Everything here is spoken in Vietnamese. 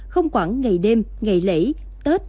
không quản ngày đêm ngày lễ tết